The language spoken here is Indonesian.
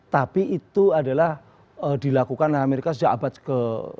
tapi itu adalah dilakukan amerika sejak abad ke empat belas